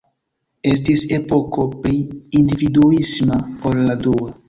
Estis epoko pli individuisma ol la dua.